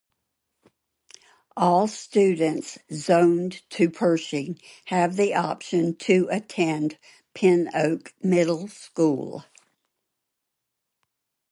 All students zoned to Pershing have the option to attend Pin Oak Middle School.